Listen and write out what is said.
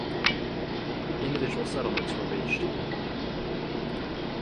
Individual settlements were reached.